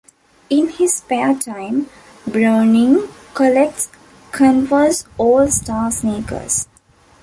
In his spare time, Bruening collects Converse All-Star sneakers.